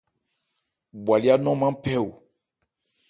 Bwalyá nɔn maán phɛ́ o.